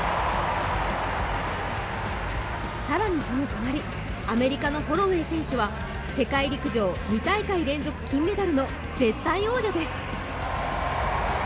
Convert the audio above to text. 更にその隣、アメリカのホロウェイ選手は世界陸上２大会連続金メダルの絶対王者です。